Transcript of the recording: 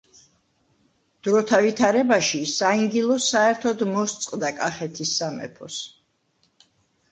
დროთა ვითარებაში საინგილო საერთოდ მოსწყდა კახეთის სამეფოს.